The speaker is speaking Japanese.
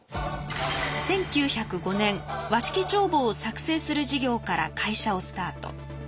１９０５年和式帳簿を作成する事業から会社をスタート。